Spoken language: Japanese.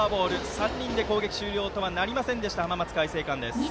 ３人で攻撃終了とはなりませんでした、浜松開誠館。